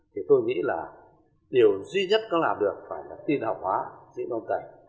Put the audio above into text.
thì tôi nghĩ là điều duy nhất có làm được phải là tin học hóa chữ nôm tày